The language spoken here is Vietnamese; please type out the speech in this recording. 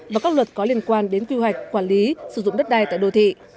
và các luật có liên quan đến quy hoạch quản lý sử dụng đất đai tại đô thị